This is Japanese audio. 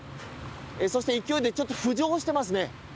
そして、勢いでちょっと浮上してますね。